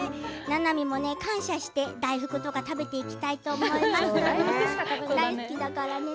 ななみも感謝して大福とか食べていきたいと思います大好きだからね。